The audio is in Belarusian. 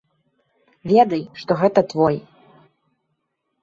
Ведай, што гэта твой.